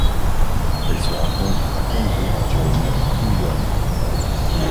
Elle se rencontre à Quanzhou sur le mont Qingyuan.